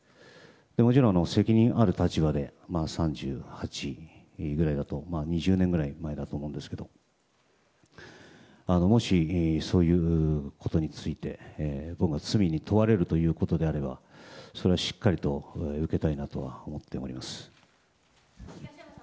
もちろん責任ある立場で３８くらいだと２０年くらい前だと思うんですけどもしそういうことについて僕が罪に問われるということであればそれはしっかりと受けたいなと思っております。